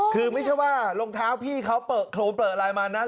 คือไม่ใช่ว่าลงเท้าพี่เขาเปิดอะไรมานะ